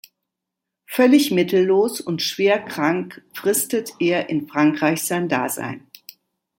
Völlig mittellos und schwerkrank fristet er in Frankreich sein Dasein.